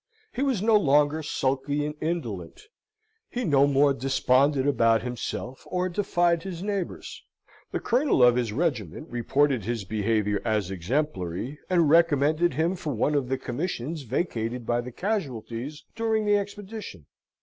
He was no longer sulky and indolent: he no more desponded about himself, or defied his neighbours. The colonel of his regiment reported his behaviour as exemplary, and recommended him for one of the commissions vacated by the casualties during the expedition.